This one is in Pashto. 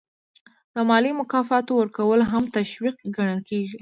د مالي مکافاتو ورکول هم تشویق ګڼل کیږي.